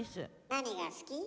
何が好き？